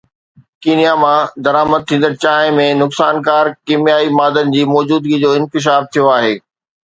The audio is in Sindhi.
ڪينيا مان درآمد ٿيندڙ چانهه ۾ نقصانڪار ڪيميائي مادن جي موجودگي جو انڪشاف ٿيو آهي